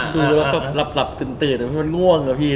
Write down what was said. คือเราก็หลับตื่นมันง่วงอ่ะพี่